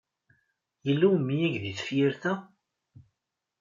Yella umyag deg tefyirt-a?